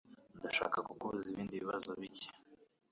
Ndashaka kukubaza ibindi bibazo bike.